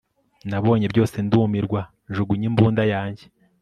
nabonye byose ndumirwa njugunya imbunda yanjye